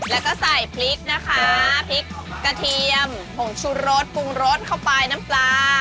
แล้วก็ใส่พริกนะคะพริกกระเทียมผงชุรสปรุงรสเข้าไปน้ำปลา